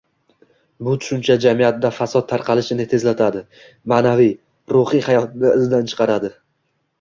Bu tushuncha jamiyatda fasod tarqalishini tezlatadi, ma’naviy- ruhiy hayotni izdan chiqaradi.